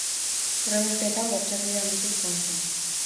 Hurrengo urteetan bortxakeria handituz joan zen.